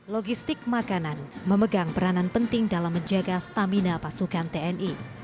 logistik makanan memegang peranan penting dalam menjaga stamina pasukan tni